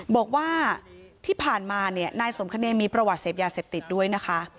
บอกว่าที่ผ่านมาเนี่ยนายสมคเนงมีประวัติเสพยาเสพติดด้วยนะคะ